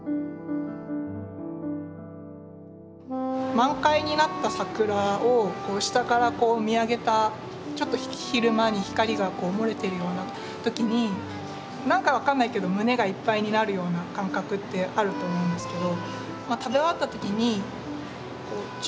満開になった桜を下から見上げたちょっと昼間に光がもれているような時に何か分かんないけど胸がいっぱいになるような感覚ってあると思うんですけど。